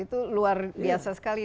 itu luar biasa sekali